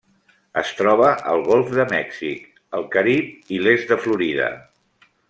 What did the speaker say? Es troba al Golf de Mèxic, el Carib i l'est de Florida.